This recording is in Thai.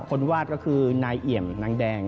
คนวาดก็คือนาหยีย๋มนางแดง